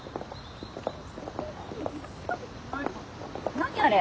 何あれ？